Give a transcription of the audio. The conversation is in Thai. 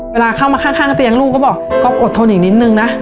เวลาเข้ามาข้างเตียงลูกก็บอกก๊อฟอดทนอีกนิดนึงนะ